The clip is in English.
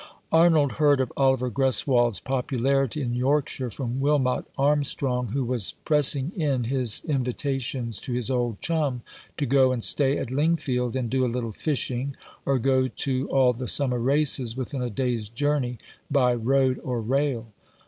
Arnold heard of Oliver Greswold's popularity in Yorkshire from Wilmot Armstrong, who was press ing in his invitations to his old chum to go and stay at Lingfield, and do a little fishing, or go to all the summer races within a day's journey, by road or rail.